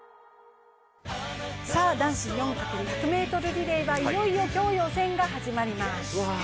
男子４×１００ｍリレーはいよいよ今日予選が始まります。